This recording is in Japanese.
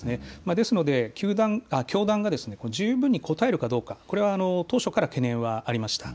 ですので教団が十分に答えるかどうかこれは当初から懸念もありました。